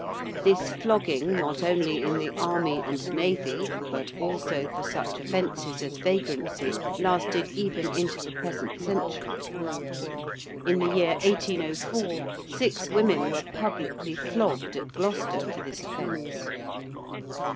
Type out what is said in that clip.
This flogging not only in the army and navy but also for such offences as vagrancy, lasted even into the present century. In the year 1804 six women were publicly flogged at Gloucester for this offence.